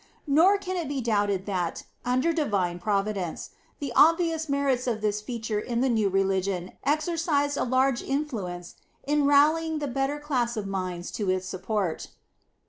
Nor can it be doubted that, under divine Providence, the obvious merit of this feature in the new religion exercised a large influence in rallying the better class of minds to its support.